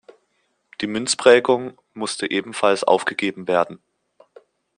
Die Münzprägung musste ebenfalls aufgegeben werden.